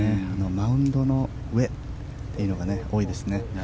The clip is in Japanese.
マウンドの上というのが多いですね。